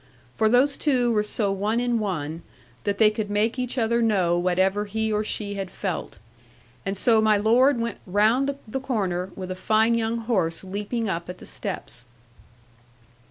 For those two were so one in one, that they could make each other know whatever he or she had felt. And so my Lord went round the corner, with a fine young horse leaping up at the steps.